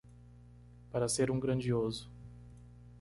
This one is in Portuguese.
Para ser um grandioso